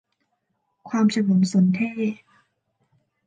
ความฉงนสนเท่ห์